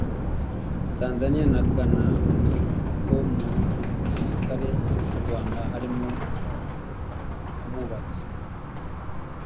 Tanzania na Ghana ni uko mu gisirikare cy’u Rwanda harimo abubatsi